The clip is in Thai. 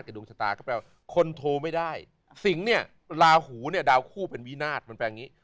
ดวงชะตาก็แปลว่าคนโทรไม่ได้สิงห์เนี่ยลาหูเนี่ยดาวคู่เป็นวินาศมันแปลงอย่างนี้